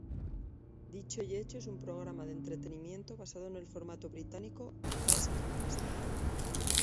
Dicho y hecho es un programa de entretenimiento basado en el formato británico "Taskmaster".